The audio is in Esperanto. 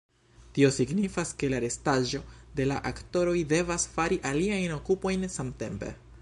Tio signifas ke la restaĵo de la aktoroj devas fari aliajn okupojn samtempe.